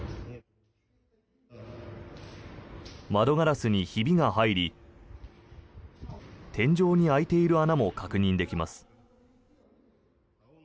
窓ガラスにひびが入り天井に開いている穴も確認できます。